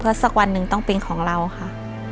สักวันหนึ่งต้องเป็นของเราค่ะ